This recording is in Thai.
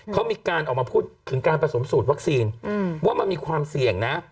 เขามีการออกมาพูดถึงการผสมสูตรวัคซีนว่ามันมีความเสี่ยงนะ